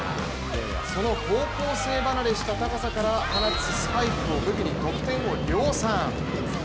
その高校生離れした高さから放つスパイクを武器に得点を量産。